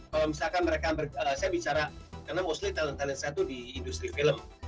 kalau misalkan mereka saya bicara karena mostly talent talent saya itu di industri film